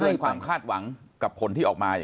แต่ไม่เคยความคาดหวังกับผลที่ออกมา